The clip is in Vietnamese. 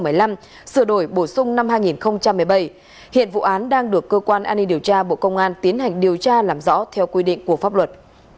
bộ công an được bổ sung năm hai nghìn một mươi bảy hiện vụ án đang được cơ quan an ninh điều tra bộ công an tiến hành điều tra làm rõ theo quy định của pháp luật